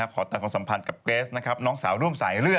ขอตัดความสัมพันธ์กับเกรสนะครับน้องสาวร่วมสายเลือด